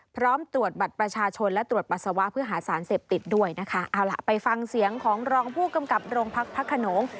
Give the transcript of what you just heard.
พร้อมตรวจบัตรประชาชนและตรวจปัสสาวะเพื่อหาสารเสพติดด้วยนะคะเอาล่ะไปฟังเสียงของรองผู้กำกับโรงพักพระขนง